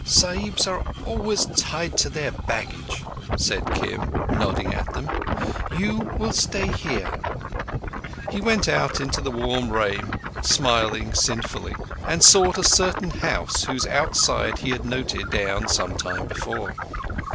"Sahibs are always tied to their baggage," said Kim, nodding at them. "You will stay here" He went out into the warm rain, smiling sinfully, and sought a certain house whose outside he had noted down some time before...